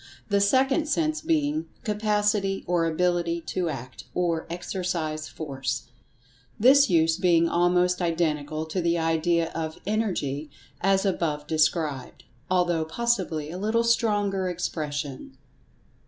the second sense being "Capacity or Ability to Act, or exercise Force," this use being almost identical to the idea of "Energy," as above described, although, possibly, a little stronger expression.